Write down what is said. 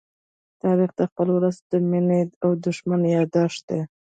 تاریخ د خپل ولس د مینې او دښمنۍ يادښت دی.